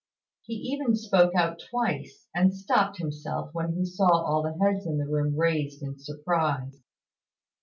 He even spoke out twice, and stopped himself when he saw all the heads in the room raised in surprise.